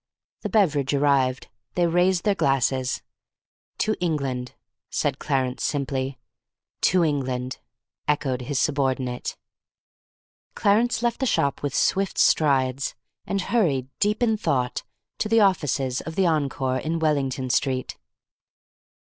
The beverage arrived. They raised their glasses. "To England," said Clarence simply. "To England," echoed his subordinate. Clarence left the shop with swift strides, and hurried, deep in thought, to the offices of the Encore in Wellington Street.